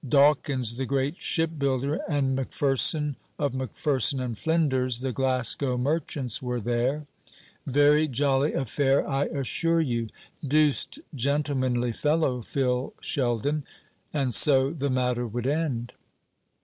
Dawkins, the great shipbuilder, and M'Pherson, of M'Pherson and Flinders, the Glasgow merchants, were there. Very jolly affair, I assure you. Deuced gentlemanly fellow, Phil Sheldon." And so the matter would end.